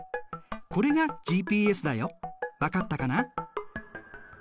これがＧＰＳだよ分かったかな？